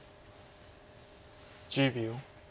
１０秒。